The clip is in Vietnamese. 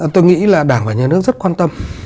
tôi nghĩ là đảng và nhà nước rất quan tâm